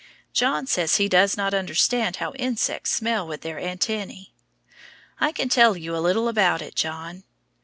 John says he does not understand how insects smell with their antennæ. I can tell you a little about it, John.